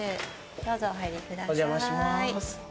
どうぞ、お入りください。